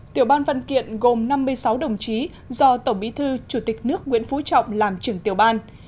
tiểu ban văn kiện gồm năm mươi sáu đồng chí do tổng bí thư chủ tịch nước nguyễn phú trọng làm trưởng tiểu ban